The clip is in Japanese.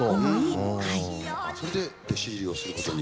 それで弟子入りをすることに。